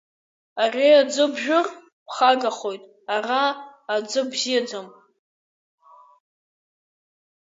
Ари аӡы бжәыр, бхагахоит, ара аӡы бзиаӡам.